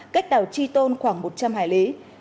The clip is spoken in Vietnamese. cách đảo chi tôn khoảng một trăm linh hải lý